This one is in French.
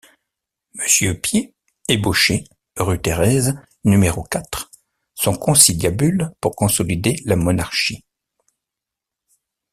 Monsieur Piet ébauchait, rue Thérèse, n° quatre, son conciliabule pour consolider la monarchie.